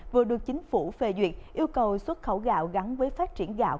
vừa được chính phủ phê duyệt yêu cầu xuất khẩu gạo gắn với phát triển gạo